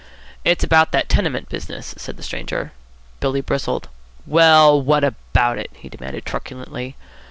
"It's about that tenement business," said the stranger. Billy bristled. "Well, what about it?" he demanded truculently.